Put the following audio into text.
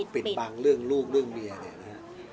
ปิดบังเรื่องลูกเรื่องเมียเนี่ยนะฮะ